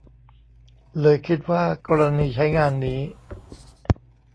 เลยคิดว่ากรณีใช้งานนี้